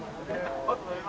はい。